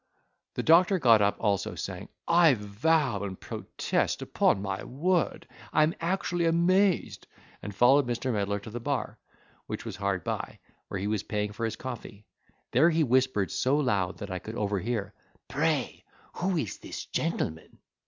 The doctor got up also, saying, "I vow and protest, upon my word, I am actually amazed;" and followed Mr. Medlar to the bar, which was hard by, where he was paying for his coffee: there he whispered so loud that I could overhear, "Pray who is this gentleman?"